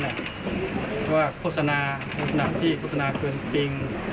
คุณพูดว่าโฆษณาโฆษณาที่โฆษณาคือจริง